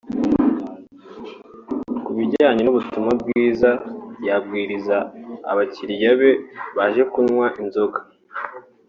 Ku bijyanye n’ubutumwa bwiza yabwiriza abakiriya be baje kunywa inzoga